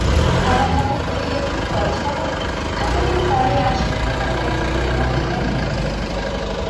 হারানবাবু কহিলেন, পরেশবাবু, এতদিন পরে আজ সুচরিতা বলছেন বিবাহে ওঁর মত নেই!